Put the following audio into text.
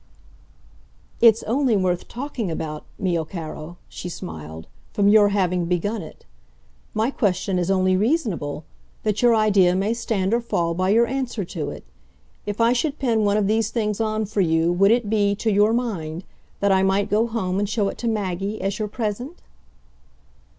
"It's only worth talking about, mio caro," she smiled, "from your having begun it. My question is only reasonable so that your idea may stand or fall by your answer to it. If I should pin one of these things on for you would it be, to your mind, that I might go home and show it to Maggie as your present?"